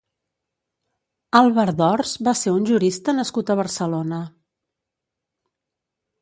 Àlvar d’Ors va ser un jurista nascut a Barcelona.